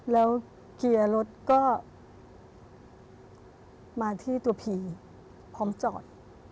แล้วเกียร์รถก็มาที่ตัวผีพร้อมจอด